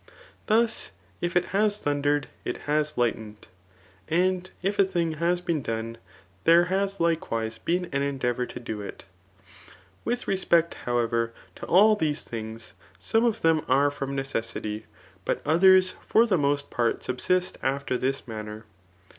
Thus, if it has thundered, it has lightened ; and if a thing has b^en done,, there. has likewise been an endeavour to dp it; With respect, however, to all these things, some of them are from necessity ; but others for the most part subsist after this manner.